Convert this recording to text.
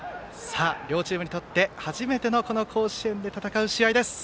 両チームにとって初めての甲子園で戦う試合です。